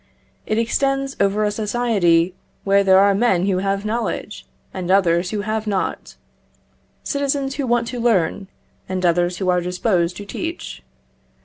It extends over a society where there are men who have knowledge, and others who have not; citizens who want to learn, and others who are disposed to teach.